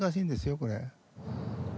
これ。